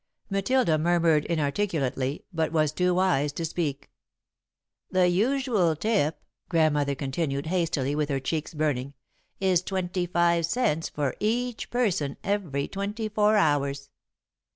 '" Matilda murmured inarticulately, but was too wise to speak. [Sidenote: The Porter] "'The usual tip,'" Grandmother continued, hastily, with her cheeks burning, "'is twenty five cents for each person every twenty four hours.